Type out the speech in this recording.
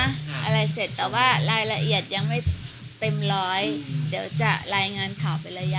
อะไรเสร็จแต่ว่ารายละเอียดยังไม่เต็มร้อยเดี๋ยวจะรายงานข่าวเป็นระยะ